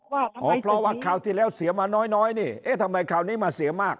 ว่าอ๋อเพราะว่าคราวที่แล้วเสียมาน้อยนี่เอ๊ะทำไมคราวนี้มาเสียมาก